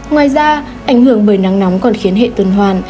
ngoài ra ảnh hưởng bởi nắng nóng còn khiến hệ tuần hoàn